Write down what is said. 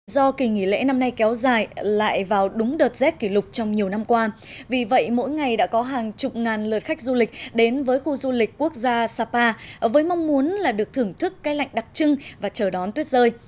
do kỳ nghỉ lễ năm nay kéo dài lại vào đúng đợt rét kỷ lục trong nhiều năm qua vì vậy mỗi ngày đã có hàng chục ngàn lượt khách du lịch đến với khu du lịch quốc gia sapa với mong muốn là được thưởng thức cái lạnh đặc trưng và chờ đón tuyết rơi